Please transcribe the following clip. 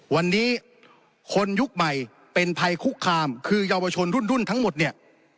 วันนี้คนยุคใหม่เป็นภัยคุกคามคือเยาวชนรุ่นทั้งหมดเนี่ย